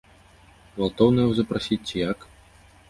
Гвалтоўна яго запрасіць ці як?